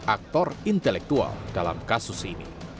aktor intelektual dalam kasus ini